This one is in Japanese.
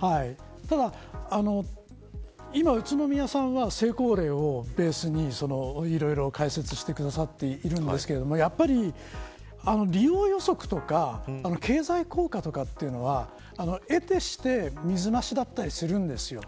ただ、今宇都宮さんは成功例をベースにいろいろ解説してくださっていますが利用予測とか経済効果とかというのは得てして水増しだったりするんですよ。